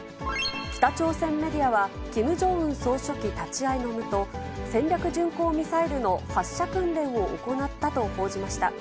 北朝鮮メディアは、キム・ジョンウン総書記立ち会いの下、戦略巡航ミサイルの発射訓練を行ったと報じました。